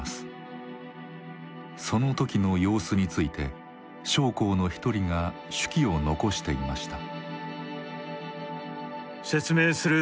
その時の様子について将校の一人が手記を残していました。